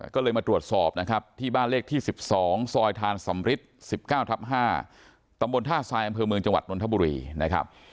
ก็เลยมาตรวจสอบนะครับที่บ้านเลขที่๑๒ซอยทานสำริท๑๙ทับ๕ตำบลท่าทรายอำเภอเมืองจังหวัดนทบุรีนะครับ